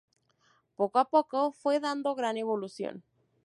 Poco a poco fue dando gran evolución.